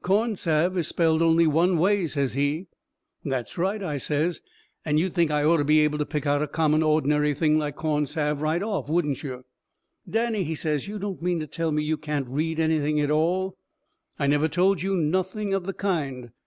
"Corn salve is spelled only one way," says he. "That's right," I says, "and you'd think I orter be able to pick out a common, ordinary thing like corn salve right off, wouldn't you?" "Danny," he says, "you don't mean to tell me you can't read anything at all?" "I never told you nothing of the kind."